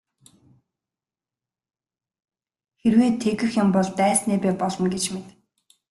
Хэрвээ тэгэх юм бол дайсны бай болно гэж мэд.